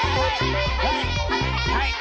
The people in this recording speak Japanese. はい！